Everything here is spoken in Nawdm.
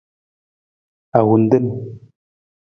Ahuntung.